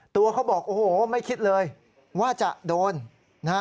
ตัวเขาบอกโอ้โหไม่คิดเลยว่าจะโดนนะฮะ